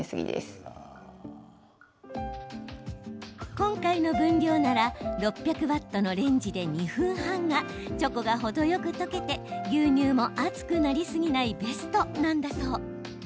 今回の分量なら６００ワットのレンジで２分半がチョコが程よく溶けて牛乳も熱くなりすぎないベストなんだそう。